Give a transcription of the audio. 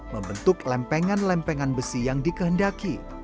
membentuk lempengan lempengan besi yang dikehendaki